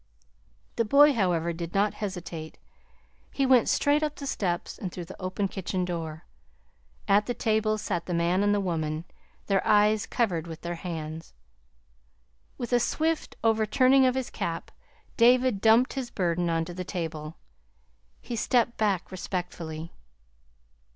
The boy, however, did not hesitate. He went straight up the steps and through the open kitchen door. At the table sat the man and the woman, their eyes covered with their hands. With a swift overturning of his cap, David dumped his burden onto the table, and stepped back respectfully.